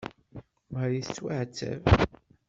Marie tettwaɛetteb.